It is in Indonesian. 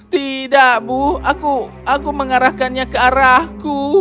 tidak bu aku mengarahkannya ke arahku